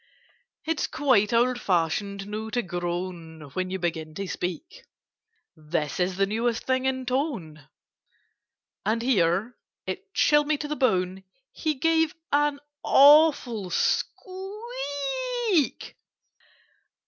"It's quite old fashioned now to groan When you begin to speak: This is the newest thing in tone—" And here (it chilled me to the bone) He gave an awful squeak.